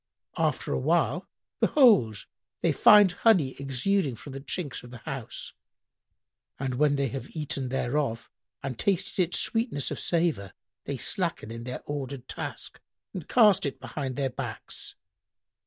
After awhile, behold, they find honey exuding from the chinks of the house,[FN#102] and when they have eaten thereof and tasted its sweetness of savour, they slacken in their ordered task and cast it behind their backs.